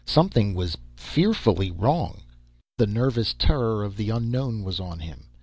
Something was fearfully wrong! The nervous terror of the unknown was on him.